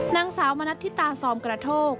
นางสาวมณัฐิตาซอมกระโทก